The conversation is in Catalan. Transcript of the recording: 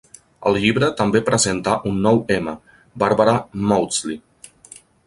El llibre també presenta un nou M, Barbara Mawdsley.